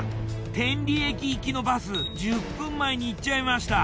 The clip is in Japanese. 天理駅行きのバス１０分前に行っちゃいました。